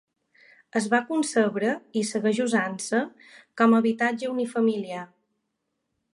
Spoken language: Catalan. Es va concebre i segueix usant-se com a habitatge unifamiliar.